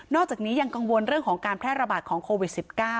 อกจากนี้ยังกังวลเรื่องของการแพร่ระบาดของโควิด๑๙